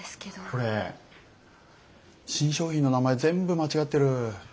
これ新商品の名前全部間違ってる。